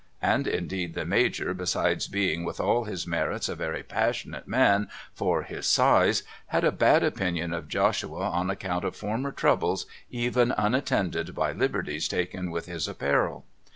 ' and indeed the Major besides being with all his merits a very passionate man for his size had a bad opinion of Joshua on account of former troubles even unattended by liberties taken with his apparel.